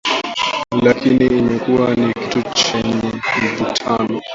Lakini imekuwa ni kitu chenye mvutano